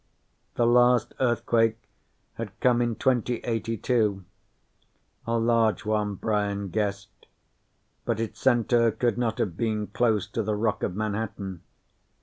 The last earthquake had come in 2082 a large one, Brian guessed, but its center could not have been close to the rock of Manhattan.